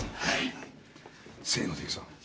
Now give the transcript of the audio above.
はい。